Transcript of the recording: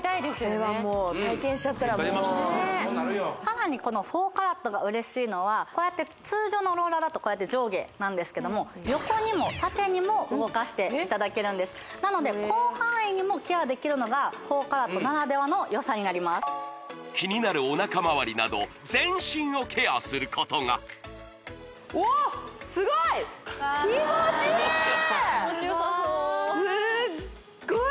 これはもう体験しちゃったらもうさらにこの４ＣＡＲＡＴが嬉しいのはこうやって通常のローラーだとこうやって上下なんですけども横にも縦にも動かしていただけるんですなので広範囲にもケアできるのが４ＣＡＲＡＴならではのよさになりますキニナルおなか周りなど全身をケアすることがおおっすごい気持ちいい気持ちよさそうすっごい